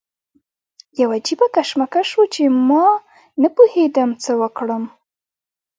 یو عجیبه کشمکش و چې ما نه پوهېدم څه وکړم.